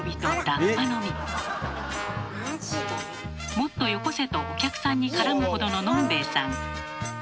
もっとよこせとお客さんに絡むほどの飲んべえさん。